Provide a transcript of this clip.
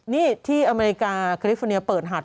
นี่ที่อเมริกาคาลิฟอร์เนียเปิดหัด